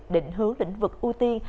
định hướng lĩnh vực ưu tiên